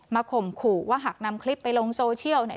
มาข่มขู่ว่าหากนำคลิปไปลงโซเชียล